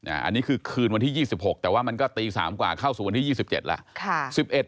อันนี้คือคืนวันที่๒๖แต่ว่ามันก็ตี๓กว่าเข้าสู่วันที่๒๗แล้ว